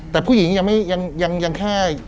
แต่ผู้หญิงยังแค่